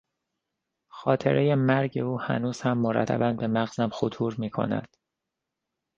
خاطرهی مرگ او هنوز هم مرتبا به مغزم خطور میکند.